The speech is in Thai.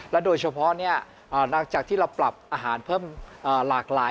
โดยเฉพาะนอกจากที่เราปรับอาหารเพิ่มหลากหลาย